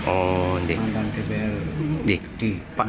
oh mantan dpr